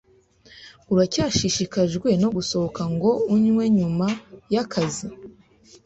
Uracyashishikajwe no gusohoka ngo unywe nyuma yakazi?